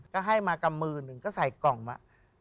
ก็ให้มากำมือหนึ่งก็ใส่กล่องมา